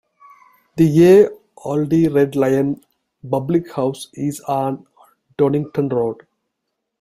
The Ye Olde Red Lion public house is on Donington Road.